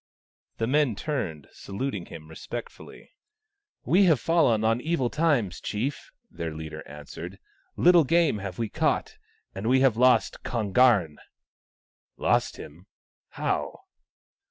The men turned, saluting him respectfully. " We have fallen upon evil times, Chief," their leader answered. " Little game have we caught, and we have lost Kon garn." " Lost him ! How